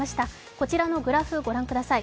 こちらのグラフ、ご覧ください。